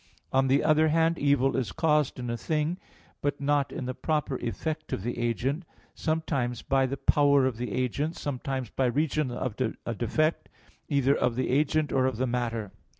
On the other hand, evil is caused in a thing, but not in the proper effect of the agent, sometimes by the power of the agent, sometimes by reason of a defect, either of the agent or of the matter.